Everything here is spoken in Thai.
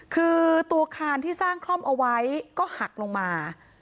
คือตัวคานที่สร้างคล่อมเอาไว้ก็หักลงมา